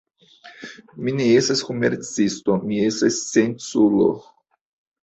Mi ne estas komercisto; mi estas scienculo.